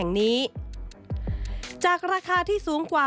เป็นอย่างไรนั้นติดตามจากรายงานของคุณอัญชาฬีฟรีมั่วครับ